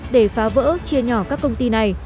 để phá vỡ chia nhỏ các công ty này